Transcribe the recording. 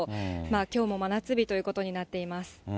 きょうも真夏日ということになっています。